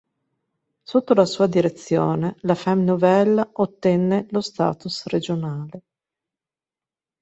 Sotto la sua direzione "La Femme Nouvelle "ottenne lo status regionale.